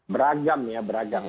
beragam ya beragam